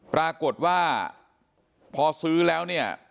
ปรากฏว่าพอซื้อแล้วเนี่ย